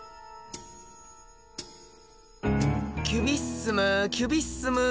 キュビッスムキュビッスム。